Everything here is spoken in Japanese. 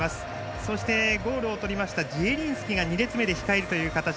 そして、ゴールを取ったジエリンスキが２列目で控えるという形。